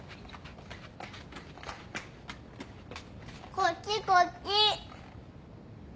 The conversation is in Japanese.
こっちこっち。